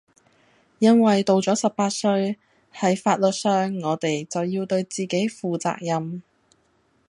因為到咗十八歲，係法律上我地就要對自己負責任